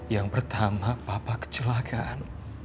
yang pertama papa kecelakaan